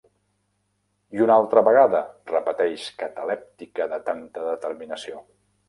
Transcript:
"I una altra vegada", repeteix, catalèptica de tanta determinació.